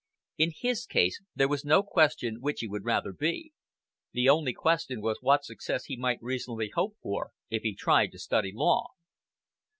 In his case there was no question which he would rather be the only question was what success he might reasonably hope for if he tried to study law.